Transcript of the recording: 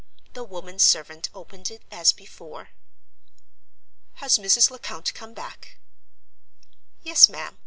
The woman servant opened it as before. "Has Mrs. Lecount come back?" "Yes, ma'am.